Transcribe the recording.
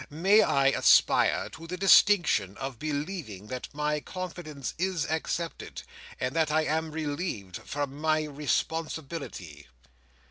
May I aspire to the distinction of believing that my confidence is accepted, and that I am relieved from my responsibility?"